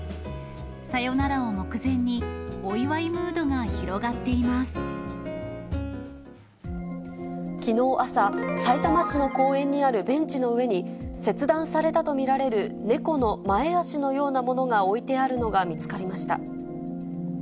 さよならを目前に、お祝いムードきのう朝、さいたま市の公園にあるベンチの上に、切断されたと見られる猫の前足のようなものが置いてあるのが見つかりました。